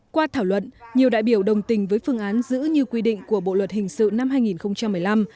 qua thảo luận nhiều đại biểu đồng tình với phương án giữ như quy định của bộ luật hình sự năm hai nghìn một mươi năm